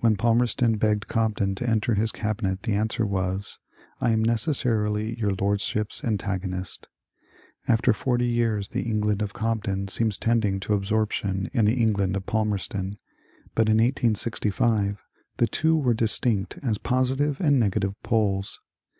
When Palmerston begged Cobden to enter his Cabinet the answer was, "I am necessarUy your lordship's antagonist" After forty years the England of Cobden seems tending to absorption in the England of Palmerston, but in 1865 the two were distinct as positive and negative poles.